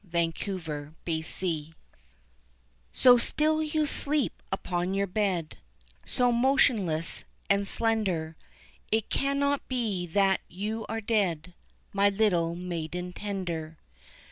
Mavourneen So still you sleep upon your bed, So motionless and slender, It cannot be that you are dead, My little maiden tender.